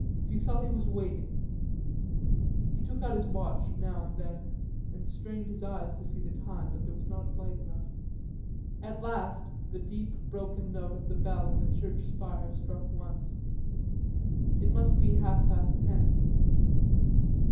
Fuselli was waiting. He took out his watch now and then and strained his eyes to see the time, but there was not light enough. At last the deep broken note of the bell in the church spire struck once. It must be half past ten.